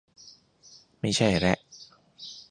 ไม่ใช่แระ